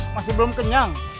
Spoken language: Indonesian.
masih belum kenyang